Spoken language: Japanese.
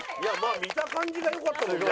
見た感じがよかったもんね。